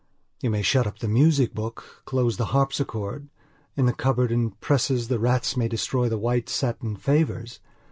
You may shut up the music book, close the harpsichord; in the cupboard and presses the rats may destroy the white satin favours.